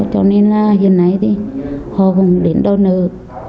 cho nên là hiện nay thì họ không đến đâu nữa